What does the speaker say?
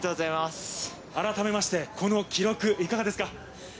改めて、この記録はいかがですか？